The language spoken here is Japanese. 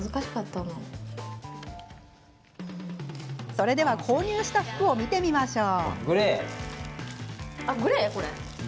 それでは購入した服を見てみましょう。